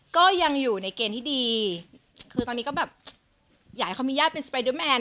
ก็ยังอยู่ในเกณฑ์ที่ดีคือตอนนี้ก็แบบอยากให้เขามีญาติเป็นสไปเดอร์แมน